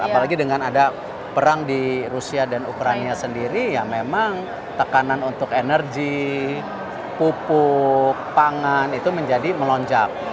apalagi dengan ada perang di rusia dan ukraina sendiri ya memang tekanan untuk energi pupuk pangan itu menjadi melonjak